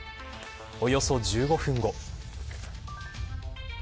およそ１５分後。